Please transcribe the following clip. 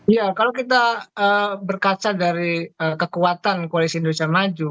ya kalau kita berkaca dari kekuatan koalisi indonesia maju